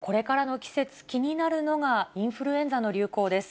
一方で、これからの季節、気になるのがインフルエンザの流行です。